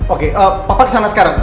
oke pak kesana sekarang